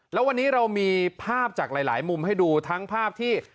แล้ววันนี้เรามีภาพจากหลายมุมให้ดูทั้งภาพที่